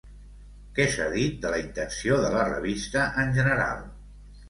Què s'ha dit de la intenció de la revista en general?